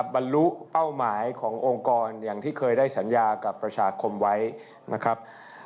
บรรลุเป้าหมายขององค์กรอย่างที่เคยได้สัญญากับประชาคมไว้นะครับ